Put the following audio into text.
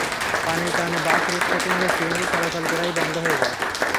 পানির কারণে বাস, রিকশা কিংবা সিএনজি চলাচল প্রায়ই বন্ধ হয়ে যায়।